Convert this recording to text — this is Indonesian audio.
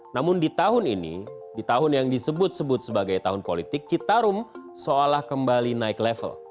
namun di tahun ini di tahun yang disebut sebut sebagai tahun politik citarum seolah kembali naik level